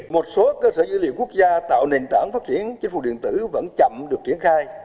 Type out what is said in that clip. một số cơ sở dữ liệu quốc gia tạo nền tảng phát triển chính phủ điện tử vẫn chậm được triển khai